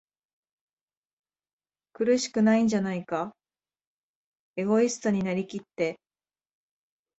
苦しくないんじゃないか？エゴイストになりきって、